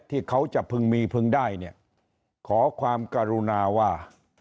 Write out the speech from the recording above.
ที่เขาจะพึงมีพึงได้เนี่ยขอความกรุณาว่า